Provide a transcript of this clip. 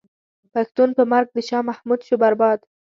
پښتون په مرګ د شاه محمود شو برباد.